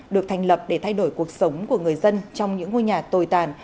được thành lập để thay đổi cuộc sống của người dân trong những ngôi nhà tồi tàn